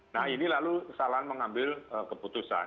nah ini lalu kesalahan mengambil keputusan